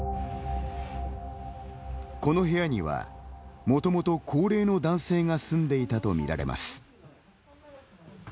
この部屋にはもともと高齢の男性が住んでいたとみられます。